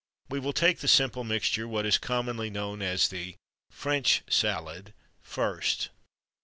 We will take the simple mixture, what is commonly known as the French Salad, first.